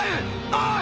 おい！